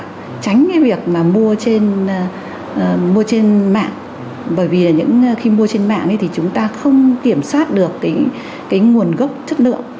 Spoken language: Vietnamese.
tránh cái việc mà mua trên mạng bởi vì khi mua trên mạng thì chúng ta không kiểm soát được cái nguồn gốc chất lượng